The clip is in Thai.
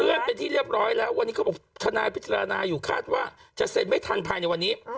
เป็นที่เรียบร้อยแล้ววันนี้เขาบอกทนายพิจารณาอยู่คาดว่าจะเซ็นไม่ทันภายในวันนี้